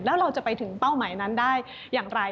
แล้วเราจะไปถึงเป้าหมายนั้นได้อย่างไร